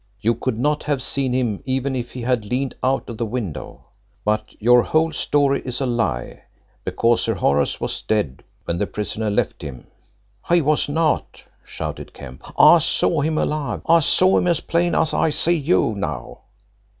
You could not have seen him even if he had leaned out of the window. But your whole story is a lie, because Sir Horace was dead when the prisoner left him." "He was not," shouted Kemp. "I saw him alive. I saw him as plain as I see you now."